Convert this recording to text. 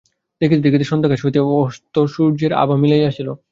দেখিতে দেখিতে সন্ধ্যাকাশ হইতে অস্তসূর্যের আভা মিলাইয়া আসিল।